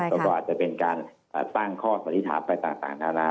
ก็อาจจะเป็นการตั้งข้อสจิธรรมไปต่างนะครับ